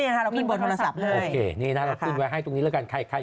ให้นะครับเพื่อนจะได้การดูบ่า